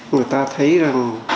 người ta thấy là